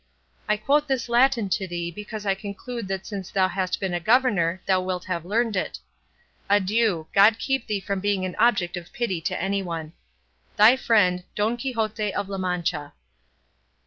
I quote this Latin to thee because I conclude that since thou hast been a governor thou wilt have learned it. Adieu; God keep thee from being an object of pity to anyone. Thy friend, DON QUIXOTE OF LA MANCHA.